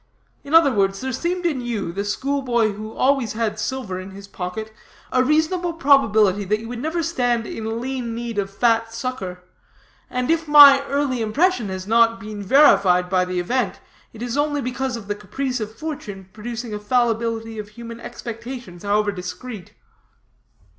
In other words, there seemed in you, the schoolboy who always had silver in his pocket, a reasonable probability that you would never stand in lean need of fat succor; and if my early impression has not been verified by the event, it is only because of the caprice of fortune producing a fallibility of human expectations, however discreet.'"